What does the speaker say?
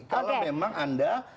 kalau memang anda